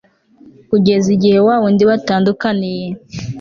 kugeza igihe wa wundi batandukanye